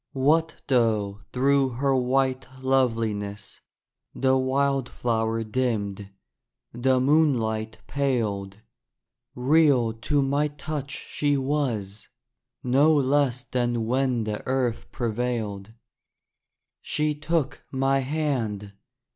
What though through her white loveliness The wildflower dimmed, the moonlight paled, Real to my touch she was; no less Than when the earth prevailed. She took my hand.